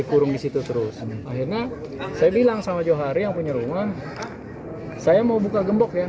dikurung di situ terus akhirnya saya bilang sama johari yang punya rumah saya mau buka gembok ya